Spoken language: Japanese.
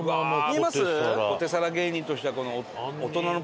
見えます？